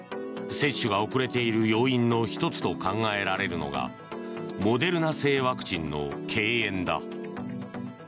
接種が遅れている要因の１つと考えられるのがモデルナ製ワクチンの敬遠だ。